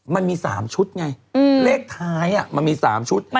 มันมี๓ชุดไงเลขท้ายมันมี๓ชุด